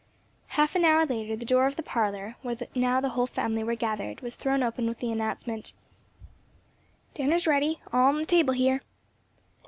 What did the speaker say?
Half an hour later the door of the parlor, where now the whole family were gathered, was thrown open with the announcement, "Dinner's ready; all on the table here."